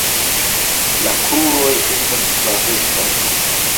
La kruroj estas flavecaj.